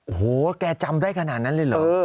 โอ้โหแกจำได้ขนาดนั้นเลยเหรอ